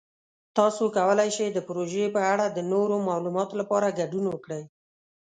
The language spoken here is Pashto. تاسو کولی شئ د پروژې په اړه د نورو معلوماتو لپاره ګډون وکړئ.